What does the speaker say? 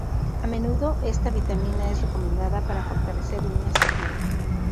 A menudo esta vitamina es recomendada para fortalecer uñas y piel.